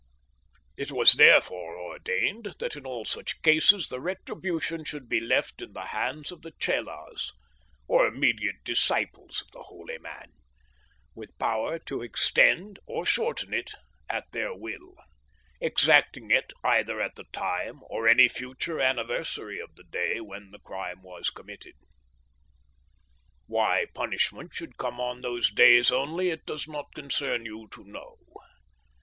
"It was therefore ordained that in all such cases the retribution should be left in the hands of the chelas, or immediate disciples of the holy man, with power to extend or shorten it at their will, exacting it either at the time or at any future anniversary of the day when the crime was committed. "Why punishment should come on those days only it does not concern you to know.